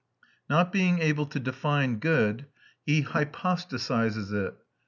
Not being able to define good, he hypostasises it.